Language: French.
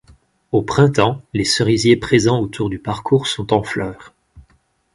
Au printemps, les cerisiers présents autour du parcours sont en fleurs.